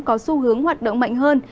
có xu hướng hoạt động mạnh hơn